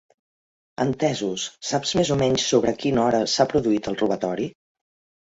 Entesos, saps més o menys sobre quina hora s'ha produït el robatori?